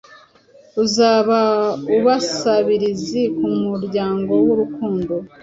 Uzaba abasabirizi kumuryango wurukundo.